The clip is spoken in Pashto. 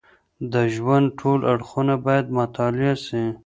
د ژوند ټول اړخونه باید مطالعه سي.